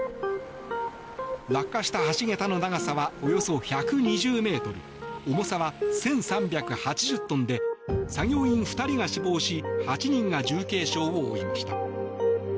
落下した橋桁の長さはおよそ１２０ｍ重さは１３８０トンで作業員２人が死亡し８人が重軽傷を負いました。